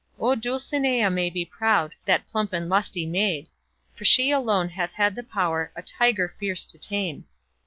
O Dulcinea may be proud, That plump and lusty maid; For she alone hath had the power A tiger fierce to tame.